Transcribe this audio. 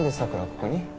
ここに？